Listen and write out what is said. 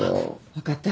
分かった。